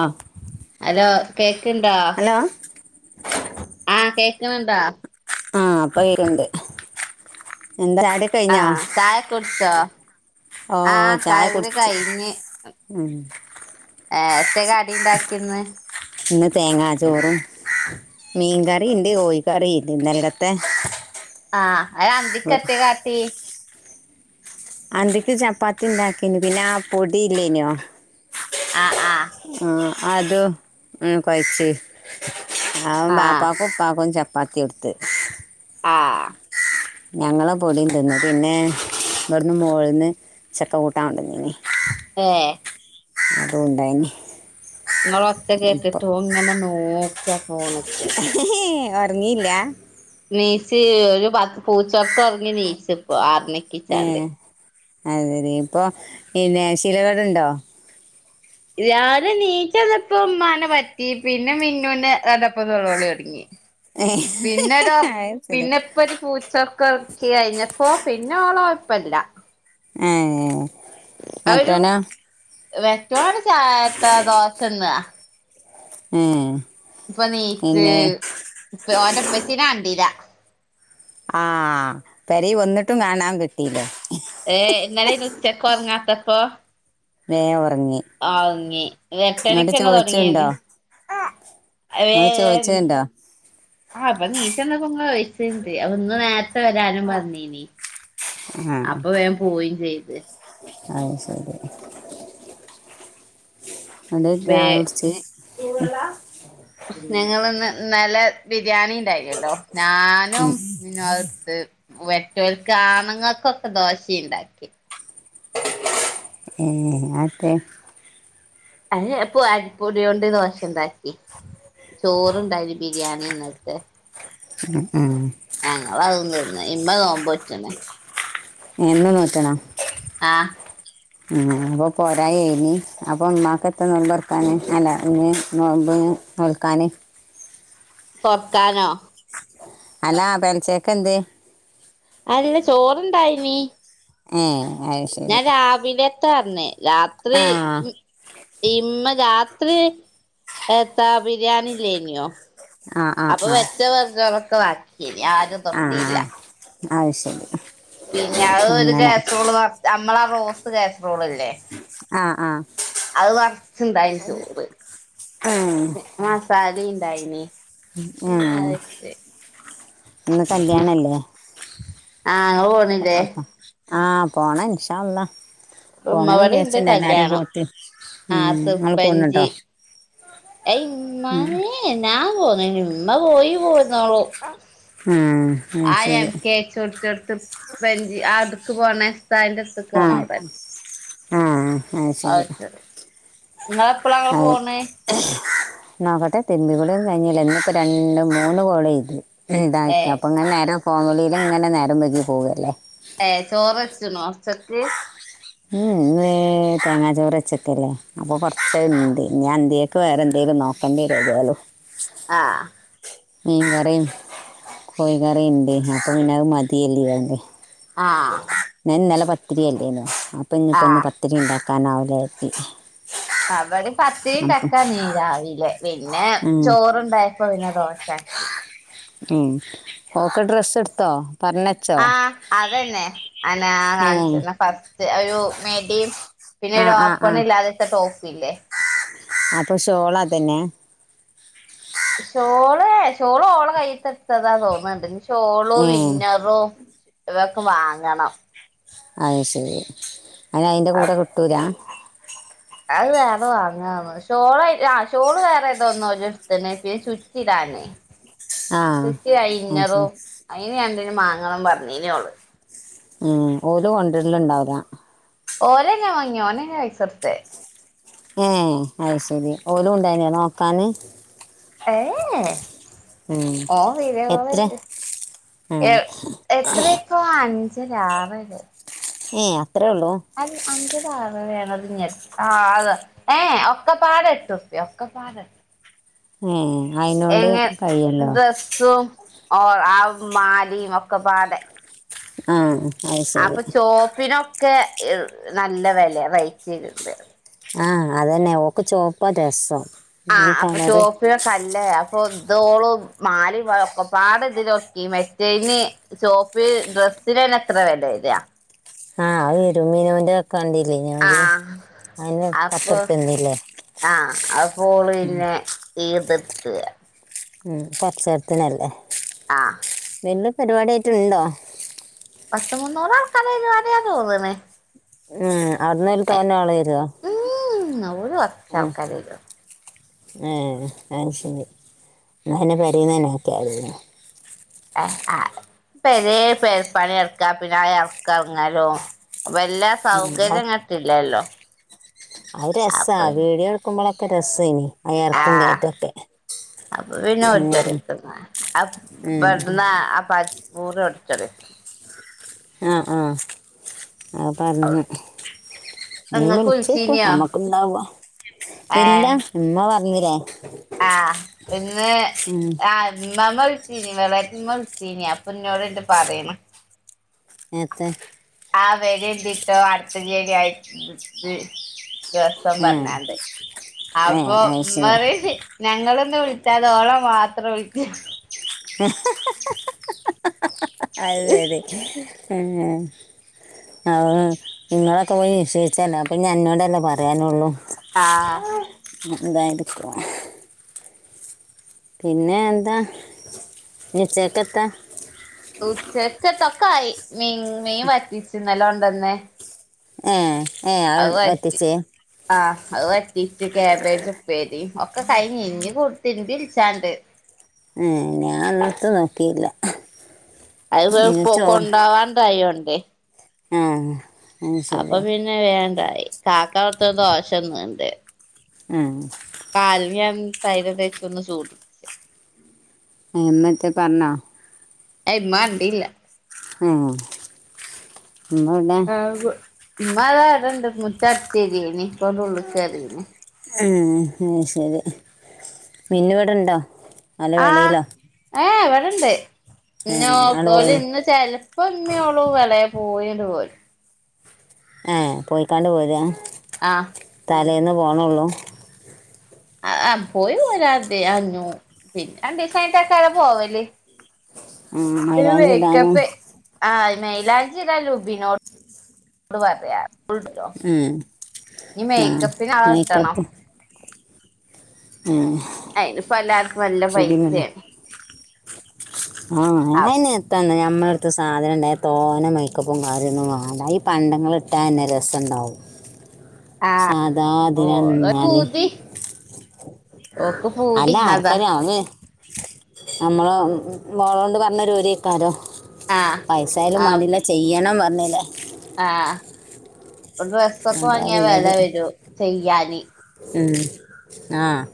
ആഹ് hello കേൾക്ക് ഇണ്ടോ ആ കേക്ക്ണ് ഇണ്ടാ. ആഹ് ഇപ്പം കോക്ക്ണ്ട് ആഹ് ചായ കുട്ച്ചോ? ഓ ആഹ് ചായ ചായകുടി കുടിച്ച് കഴിഞ്ഞ് ഉം. ഏഹ്. എത്തെ കടി ഇണ്ടാക്കിന്ന്. ഇന്ന് തേങ്ങാ ചോറും മീൻകറി ഇണ്ട് കോഴിക്കറിണ്ട് ഇന്നലെക്കത്തെ. ആഹ്അഹ് അന്തിക്കെത്തെ കാട്ടി. അന്തിക്ക് ചപ്പാത്തി ഇണ്ടാക്കിനി പിന്നെ ആ പൊടി ഇല്ല്യേനോ? ആഹ് ആഹ് ആഹ് അതും കൊഴച്ച്. ആഹ് ഹം വാപ്പക്കും ഉപ്പാക്കും ചപ്പാത്തി കൊടുത്ത്. ആഹ് ഞങ്ങളെ പൊടിം തിന്ന് പിന്നെ. ഇവിട്ന്ന് മോള്ന്ന് ചക്ക കൂട്ടാൻകൊണ്ടന്നീനി. ഏഹ് അതും ഉണ്ടായിനി ഇങ്ങളെ ഒച്ച കേട്ടിട്ട് ഓൻ ഇങ്ങനെ നോക്ക. ഫോണ്ക്ക് ഒറങ്ങീല്ല. നീച്ച് ഒരു പത്ത് പൂച്ചൊർക്ക് ഒറങ്ങി നീച്ച് ഇപ്പോ ആർമണിക്കിച്ചാണ്ട്. അതെ ഇപ്പൊ പിന്നെ ശിലകേട് ഇണ്ടോ? ഞാന് നീച്ച് വന്നപ്പം ഉമ്മാനെ പറ്റി. പിന്നെ മിന്നൂനെ വന്നെപ്പ നോളോളി തൊടങ്ങി. പിന്നെരോ അത് ശരി പിന്നെഇപ്പൊര് പൂച്ചൊർ ക്ക് കയഴിഞ്ഞപ്പോ പിന്നെ ഓള് കൊഴപ്പല്ല. ഏഹ് മറ്റോനൊ. വെറ്റോള് അവ്ടെ ചാ [unintelligible] ത്ര ദോശന്നാ. ഉം ഇപ്പൊ എണീച്ച് ഓന്റെ ഉപ്പച്ചീനെ കണ്ടീല്ല. ആഹ് പേരയിൽ വന്നിട്ടും കാണാൻ കിട്ടീല്ലേ ഏ ഇന്നലെ ഉച്ചക്ക് ഉറങ്ങാത്തപ്പോ വേഗം ഉറങ്ങി ഒറങ്ങി ഇങ്ങട്ട് എട്ടണിക്കന്നെ ചോദിച്ചുണ്ടോ തുടങ്ങിയന്ന് ഇങ്ങൾ ഏ ചോയിച്ചയിണ്ടാ. ആ അപ്പൊ നീചെന്നപ്പോ ഇങ്ങളെ ചോയിച്ച്ൻഡ് അപ്പൊ ഇന്ന് നേര ട്ട് വരാനും പറഞ്ഞീനി ആ അപ്പൊ വേഗം പോവുകയും ചെയ്ത്. അത് ശരി. അതോണ്ട് വേ ചായ കുടിച്ച് ഉം ഞങ്ങളിന്ന് ഇന്നലെ ബിരിയാണി ഉണ്ടായില്ലല്ലോ ഞാനും പിന്നെ അടുത്ത് വേ [unintelligible] ആണുങ്ങൾക്കൊക്കെ ദോശ ഉണ്ടാക്കി ഉം അതെ അയിന് അപ്പൊ അരിപ്പൊടി കൊണ്ട് ദോശ ഇണ്ടാക്കി. ചോറുണ്ടായി ബിരിയാണി ഇന്നലത്തെ ഉം ഉം ഞങ്ങള് അതും തീർന്നു ഇന്നാ നോമ്പ് നോറ്റണേ ഇനിയെന്നും നോറ്റണം ആഹ് ഉം അപ്പൊ പോരായ ഇനി അപ്പൊ ഉമ്മാക്ക് എത്ത നോമ്പ് തുറക്കാന് അല്ല ഇന്ന് നോമ്പ് ഉം നോൽക്കാന് തൊർക്കാനോ അല്ലാ പെലച്ചയക്ക് എന്ത് അല്ല ചോറുണ്ടായിനീ ഏ അത് ശരി ഞാൻ രാവിലത്തെ പറഞ്ഞേ രാത്രി ആ ഇമ്മ- രാത്രി എന്താ ബിരിയാണി ലേനിയോ ആ ആ അപ്പൊ ആ വെച്ച വെർജോ [unintelligible] ളൊക്കെ വാക്കിയന് ആരും തൊട്ടിയില്ല ആ ശല് [unintelligible] പിന്നെ അത് ഒരു കാസറോൾ നമ്മളാ റോസ് കാസറോൾ ഇല്ലേ ആഹ് ആഹ അത് കൊറച്ച് ഇണ്ടായി ചോറ് ഉം മസാല ഇണ്ടായിന് ഉം ഇന്ന് കല്യാണല്ലേ ആഹ് ഇങ്ങള് പോണില്ലേ അപ്പ- ആഹ പോണ നിഷാല്ല ഉമ്മ പോണന്ന് ഇവിടെ ഇണ്ട് വിചാച്ചിണ്ട എല്ലാരും കല്യാണം കൂട്ടി നിങ്ങൾ പോണട്ടോ യ് ഇമ്മനേ ഞാൻ പോന്ന ഇമ്മ പോയി പോയിരുന്നോളു ഉം അത് ശരി ആം കേച്ചോ ടുത്ത്ഞ്ചി ആ അടുക്ക് പോകണന്റെ അടുത്തക്ക്ണോ അവിടെ ആ ആ ശരി ഇങ്ങൾ എപ്പളാ അത് പോണേ നോക്കട്ടെ തെന്മ്പികുളിയും കഴഞ്ഞില്ല എന്നിപ്പോ രണ്ട മൂന്ന് കോളയ്ത് ഇതാക്ക ഏഹ് അപ്പൾ ഇങ്ങനെ നേരം ഫോമളിയിലും ഇങ്ങനെ നേരം പോേക്കി പോവുകല്ലേ ഏ ചോറ്ച്ചു നോ ഒച്ചക്ക് ഉ തേങ്ങാ ചോറ് വച്ചക്കല്ലേ അപ്പൊ കൊറച്ച ഉണ്ട് ഞാൻ അന്യൊക്കെ വേറെന്ത ഇത് നോക്കേണ്ടിരാലോ ആഹ് മീൻ കറി കോഴിക്കറീണ്ട് അപ്പൊ പിന്നെ മതിയര്തികാണ്ട്. ആഹ് ഇന്നല പത്തിരിയല്ലേന്ന അപ്പൊ ഇനിപ്പോ ഒന്ന് ആഹ് പത്തിരി ഉണ്ടാക്ക കനാവൂലര്തി അവര് പത്തിണ്ടക്കാ നീ രാവിലെ പിന്നെ ഉം, ചോറുണ്ടായപ്പോ പിന്നെ ദോശാകി. ഉം ക്കെ ഡ്രസ്സ് എടുത്തോ പറഞ്ഞച്ചോ ആഹ അതന്നെ അന ഏ കാണിച്ചിന്ന ഫസ്റ്റ് ഒരു മേടിയും പിന്നെ ആ ആ ആ ഓപണ് ഇല്ലാത്ത ടോപ്പ് ഇല്ലേ അപ്പൊ ഷോളാ തന്നെ ഷോള് ഷോള് ഓള് കയ്ത്തെടുത്തതാ തോന്നുന്നുണ്ട് ചോളോ ഏ വിന്നറോ ഇവൊക്കെ വാങ്ങണം അത് ശരി അതി അതിൻ്റെ കൂടെ കിട്ടൂരാ അത് വേറെ വാങ്ങാന്ന് ഷോളായി ആ ഷോള് വേറെ ഏതോന്നോ ഒരു ദിവസത്തിന് പിന്നെ ശുറ്റിട തെ ആ തച്ച അത് അയിഞ്ഞറോ ശരി അയിന രണ്ടന് മാങ്ങണം പറഞ്ഞീനള്ളു ഉം ഓരോ കൊണ്ടരിലും ഇണ്ടാവൂലാ ഓന ഞാൻ വങ്ങിയ ഓനെ ഞാ പൈസട്ത്തെ ഏ അശരി ഓലും ഉണ്ടായിന നോക്കാന് ഏ ഉം. ഓ വീരകള എത്ര എ ഉം. എത്രപ്പോ ആ അ രാവില ഏ അത്രേ ഉള്ളൂ അ അഞ്ചതാ ആ അത ഏ ഒക്കെ പാല ഇട്ടുപ്പി ഒക്കെ പാടട്ടു ഏ അയിതിനോട് കയിയല്ലോ ഓർ ആ മാലിയും ഒക്കെ പാടെ ആഹ അപ്പൊ ചോപ്പിനൊക്കെ നല്ല വില റേറ്റ് [unintelligible] ചെയ്തിണ്ട് ആഹ അതന്നെ ഒക്ക ചോപ്പ രസം ആഹ ഈ അപ്പൊ കളറ് ചുവപ്പിയൊക്കെ അല്ല ഇപ്പ ഇതോളും മാലിക്കെ പാട് ഇതിലൊക്കെ മെറ്റന് ചോപ്പ് ഡ്ര ന് എത്ര വില വര്യ ആഹ് ഇരു മീനോന്റെ ഒക്കണ്ടല്ലേ [unintelligible] ഞര് ആഹ് അപ്പൊ ആഹ അപ്പോൾ പിന്നെ ഏതിർത്തുക ഉ പക്ഷടത്തിനല്ല ആഹ ഇന്ദ് പരിപാടി ആായിട്ടുണ്ടോ പത്ത് മുന്നൂറ കന വരിയ തോന്നനെ ഉം അവിടുന്ന് തൊന്നെ ആള് വരുവോ [unintelligible] ഒരു വ ആൾക്കാ [unintelligible] ലല്ലും [unintelligible] ന്ന പിന്നെ പേരെന്നന്നെ ആക്കിയലിന്ന ആ പരേ പേ [unintelligible] ർപ്പണി ഇറക്കാ പിന്നെ ആ ഇറക്കങ്ങലും [unintelligible] വല്ല മതി സൗകര്യം കിട്ടില്ലോ അത് രസാ വീഡിയോ എടുക്കുമ്പോളൊക്കെ രസയ്നി ആ എറക്കോം ആഹ് കയറ്റൊക്കെ അപ്പൊ പിന്ന ഉം ഒറ്റടുത്തു [unintelligible] ഉം ന്നെുന്ന [unintelligible] അട ച [unintelligible] ട ആഹ് ആഹ് അത് പറഞ്ഞു നീ ഇങ്ങക്ക് വിളിച്ചേക്കും വിളിച്ചീനിയോ നമ്മക്കുണ്ടാവോ ഇല്ല ഏഹ് ഇമ്മ പറഞ്ഞില്ലേ ആഹ് ഇന്ന് ഉം ആ ഇമ്മാമ്മ - ചീനി വേളയുമ്പോ ചീനി അപ്പൊ ഇന്നോട് പറയണ് എത്ത [unintelligible] ആ വെല എഴുതി ഇട്ടോ അടുത്തചേരി ആയി ദിവസം ആ പറഞ്ഞാണ്ട് ഏ അപ്പൊ അത് മ് ശരി [unintelligible] ഞങ്ങള് ഇന്നെ വിളിച്ചാതെ ഓളെ മാത്രം വിളിച്ച് അത് ശര് ഏഹ് ആഹ് നിങ്ങളൊക്കെ പോയി നിശ്ചയിച്ചന്നെ പിന്നെ അന്നോടല്ലേ പറയാനുള്ളു ആഹ് എന്തായിരിക്കും പിന്നെ എന്താ? ഇന്ന് ഉച്ചേക്കത്തെ ഉച്ചക്കത്തൊക്കെ ആയി മീൻ മീൻ വറ്റിച്ചു ഇന്നലെ കൊണ്ടന്നെ ഏ ഏ അവൾ അത് വറ്റി എത്തിച്ചേ ആഹ് അത് വറ്റ് റ്റിച്ച് കാബേജ് ഉപ്പേരി ഒക്കെ കഴിഞ്ഞ് ഇനി തിരുമ്പി കുളിച്ചാണ്ട് ഏഹ് ഞാൻ ഇന്നത്തെ നോക്കീയില്ല അത് ഇവ പൊ കൊണ്ടോവാൻ ഇണ്ടായോണ്ടെ ആഹ് അത് ശരി അപ്പൊ പിന്നെ വേണ്ടായി കാക്ക [unintelligible] ദോശന്ന്ണ്ട് ഏഹ് കാലിന് ഞാൻ തൈലം തേച്ച് ഒന്ന് ചൂട് പിടിക്കാ ഏഹ് [unintelligible] പറഞ്ഞോ? അയ് ഇമ്മ കണ്ടീല്ല ആഹ് ഉമ്മ എവിടെ? ഉമ്മ ഇതാ ഇവടെണ്ട് മുറ്റം അടിച്ച് വാരേനി ഇപ്പ ഇതാ ഉള്ള് കേറീന് ഏഹ് അത് ശരി മിന്നു ഇവിടെണ്ടോ? ആഹ് ഏഹ് ഇവിടെണ്ട് ന്നു ഏഹ് അങ്ങട് ഓല് പോയി ഇന്ന് ചെലപ്പോ ഇമ്മേ ഓളും [unintelligible] പോയിണ്ട് പോരും. ഏഹ് പോയിക്കാണ്ട് പോരാ ആഹ് തലേന്ന് പോണോള്ളൂ ആഹ് ആഹ് പോയി [unintelligible] പിന്നെ രണ്ടീസായിട്ടെക്കതാ പോവല് ഉം ഒരു മൈലാഞ്ചി ഇടാനും മേക്കപ്പ് ആ മൈലാഞ്ചി ഇടാൻ ലൂബിനോട് നമ്മള് പറയാ ഉം നീ ആഹ് മേക്കപ്പിന് ആളെ കിട്ടണം മേക്കപ്പ് ഉം അയിന്പ്പ എല്ലാർക്കും നല്ല ഷിബിനുണ്ടോ പൈസയാണ് ആഹ് അ ആയിന് എത്ത നമ്മള അടുത്ത് സാധനം ഉണ്ടായൽ തോന മേക്കപ്പും കാര്യങ്ങളും വേണ്ട ഈ പണ്ടങ്ങള ഇട്ടാൻ തന്നെ രസണ്ടാകും ആ സാധാ അധിനന്ന ഓളെ ഒരിങ്ങിയാല് പൂതി ഓക്ക് അല്ല പൂതി അതാ ആർക്കാര് അത് നമ്മള് മോള കൊണ്ട് പറഞ്ഞരുരിക്കാരോ ആ പൈസായാലും ആ വേണ്ടില്ല ചെയ്യണം പറഞ്ഞിലേ ഡ്രസ്സ ഒക്കെ അതാ വാങ്ങിയാ ഉള്ളത് വില വരൂ ചെയ്യാന് ഉം ആഹ്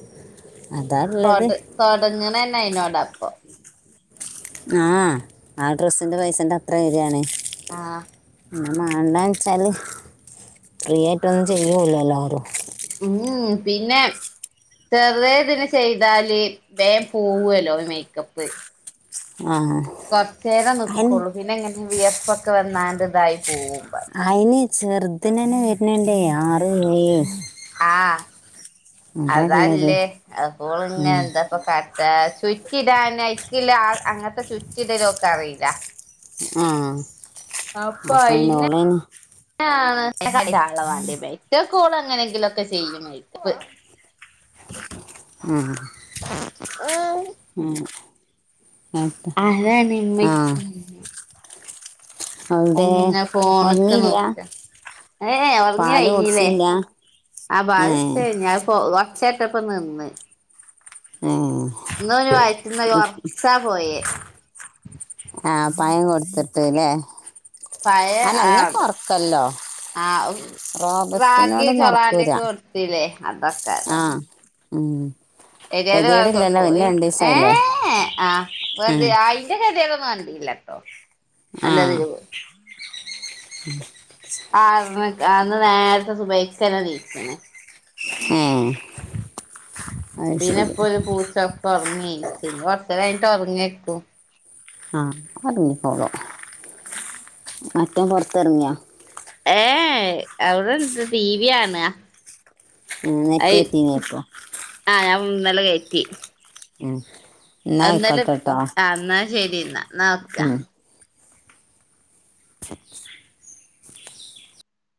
തൊട തൊടങ്ങണന്നെ അയിനോട അപ്പൊ ആ ആ ഡ്രസ്സിന്റെ പൈസേന്റത്ര വരിയാണ് ആഹ് പിന്നെ മാണ്ടന്ന് വെച്ചാല് ഫ്രീ ആയിട്ടൊന്നും ചെയ്യല്ലല്ലോരും ഉം പിന്നെ ചെറുതേഇതിന് ചെയ്താല് വേം പോവല്ലോ മേക്കപ്പ് ആ കുറച്ച നേരം അതിന് നിൽക്കുള്ളൂ പിന്നെ ഇങ്ങനെ വിയർപ്പൊക്ക വന്നാണ്ട് ഇതായി പോവും അയിന് ചെറുതനന്നെ വരണണ്ടേ ആറ് രൂപ ആഹ് ഉള്ളത് അതല്ലേ അപ്പോൾ ഇങ്ങനെ ഉം. എന്താപ്പ സുച്ചിടാൻ എനിക്കില്ല അങ്ങനത്തെ സുച്ചിടലൊക്കെ അറിയില്ല ആഹ് അപ്പൊ അയിന്നാ [unintelligible] ന്റെ മോള്എങ്ങനെങ്കിലുംക്കെ ചെയ്യും മേക്കപ്പ് ഉം ഉം അതാ ആ [unintelligible] അവിടെ തന്നെ ഫോണൊക്കെ ഉറങ്ങിയില്ല നോക്ക ഏ ഉറങ്ങി പാല് കഴിഞ്ഞില്ലേ കുടിച്ചില്ല ഏ [unintelligible] ചേട്ടപ്പ നിന്ന് ഏ ഇന്ന് വായിറ്റന്ന് കൊർച പോയേ ആഹ് പയം കൊടുത്തിട്ട്ല്ലേ പയ അല്ല ഇന്നൊക്കെ ആത് ഉറക്കല്ലോ ആഹ് റാഗി റോബസ്റ്റിനോടൊന്നും ഉറക്കൂല ചൊളാന്റെക്കെ കൊടുത്തില്ലേ അതൊക്കാര ആ ഉം എരിതക്ക ഗതികേടില്ലല്ലോ പിന്നെ പോയി രണ്ടു ദിവസായില്ലേ ഏഹ് ആ വത ഉം അയിന്റെ കഥ [unintelligible] ല്ലട്ടോ നല്ലതില് ഉം ആ അന്ന് നേരത്തെ സുബൈക്ക് തന്നെ നീച്ചണ് ഏഹ് പിന്നെ ഇപ്പൊ ഒരു പൂച്ചൊറക്കെ ഉറങ്ങിച്ച കുറച്ച് കഴിഞ്ഞട്ട് ഉറങ്ങിക്കും ആഹ് ഒറങ്ങിക്കോളുംമറ്റോൻ പൊറത്ത് ഇറങ്ങിയാ ഏയ് അവിടെണ്ട് ടീവി കാണ്ക [unintelligible] ഉം ന്നലെകയറ്റി ഉം എന്നാ എന്നാലും ആയിക്കോട്ടെട്ടോ എന്നാ ശരി എന്നാ നോക്ക ഉം